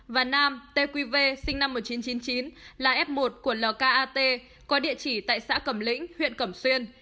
và nam tqv sinh năm một nghìn chín trăm chín mươi chín là f một của lk có địa chỉ tại xã cẩm lĩnh huyện cẩm xuyên